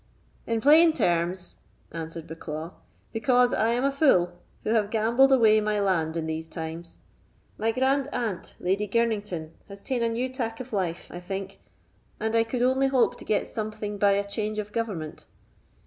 "In plain terms," answered Bucklaw, "because I am a fool, who have gambled away my land in these times. My grand aunt, Lady Girnington, has taen a new tack of life, I think, and I could only hope to get something by a change of government.